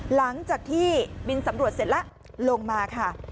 หลังจากที่บินสำรวจเสร็จแล้วลงมาค่ะ